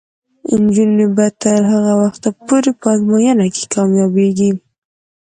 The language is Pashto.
نجونې به تر هغه وخته پورې په ازموینو کې کامیابیږي.